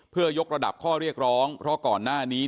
เพื่อยกระดับข้อเรียกร้องเพราะก่อนหน้านี้